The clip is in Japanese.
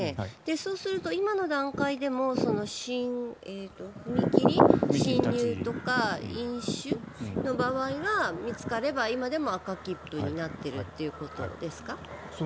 そうすると今の段階でも踏切進入とか飲酒の場合は見つかれば今でも赤切符になってるということですか。